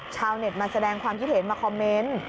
ชาวเน็ตมาแสดงความคิดเห็นมาคอมเมนต์